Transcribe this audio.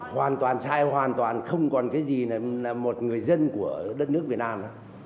hoàn toàn sai hoàn toàn không còn cái gì là một người dân của đất nước việt nam